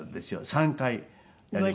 ３回やりました。